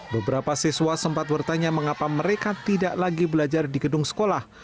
beberapa siswa sempat bertanya mengapa mereka tidak lagi belajar di gedung sekolah